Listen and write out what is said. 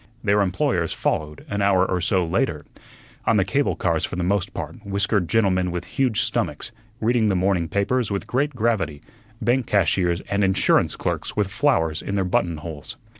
Their employers followed an hour or so later on the cable cars for the most part whiskered gentlemen with huge stomachs, reading the morning papers with great gravity; bank cashiers and insurance clerks with flowers in their buttonholes.